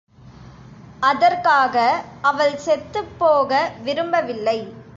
அதற்காக அவள் செத்துப்போக விரும்பவில்லை.